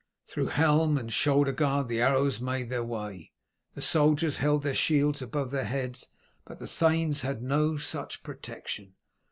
Through helm and shoulder guard the arrows made their way; the soldiers held their shields above their heads, but the thanes had no such protection.